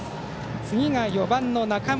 次が４番の中村。